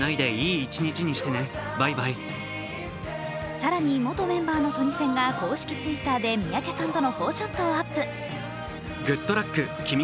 更に元メンバーのトニセンが公式Ｔｗｉｔｔｅｒで三宅さんとの４ショットをアップ。